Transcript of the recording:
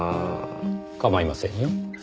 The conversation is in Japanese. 構いませんよ。